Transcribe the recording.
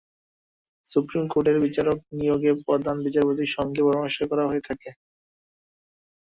Supreme কোর্টের বিচারক নিয়োগে প্রধান বিচারপতির সঙ্গে পরামর্শ করা হয়ে থাকে।